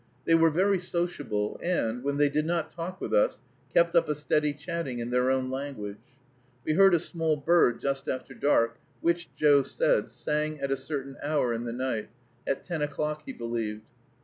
They were very sociable, and, when they did not talk with us, kept up a steady chatting in their own language. We heard a small bird just after dark, which, Joe said, sang at a certain hour in the night, at ten o'clock, he believed.